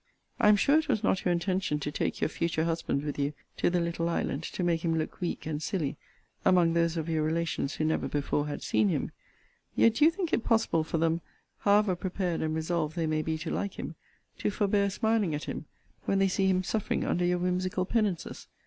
I am sure it was not your intention to take your future husband with you to the little island to make him look weak and silly among those of your relations who never before had seen him. Yet do you think it possible for them (however prepared and resolved they may be to like him) to forbear smiling at him, when they see him suffering under your whimsical penances?